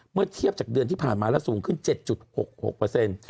เมื่อเทียบจากเดือนที่ผ่านมาแล้วสูงขึ้น๗๖๖